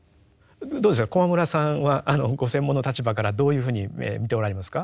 どうですか駒村さんはご専門の立場からどういうふうに見ておられますか？